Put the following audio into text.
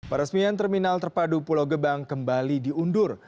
peresmian terminal terpadu pulau gebang kembali diundur